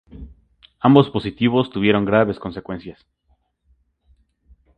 Ambos positivos tuvieron graves consecuencias.